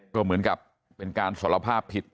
ก็เหมือนกับเป็นการสารภาพผิด